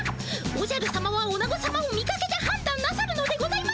おじゃるさまはおなごさまを見かけではんだんなさるのでございますか！